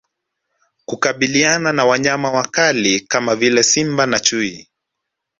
Kukabiliana na Wanyama wakali kama vile Simba na Chui